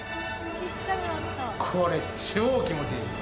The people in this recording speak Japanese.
これ超気持ちいいです。